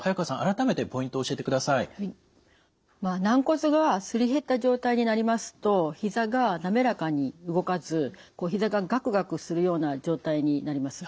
軟骨がすり減った状態になりますとひざが滑らかに動かずひざがガクガクするような状態になります。